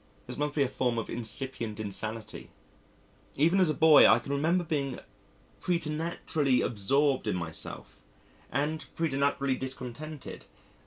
This must be a form of incipient insanity. Even as a boy, I can remember being preternaturally absorbed in myself and preternaturally discontented.